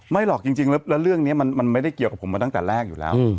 หรอกจริงแล้วเรื่องนี้มันไม่ได้เกี่ยวกับผมมาตั้งแต่แรกอยู่แล้ว